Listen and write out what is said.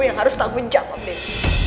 aku yang harus tanggung jawab ben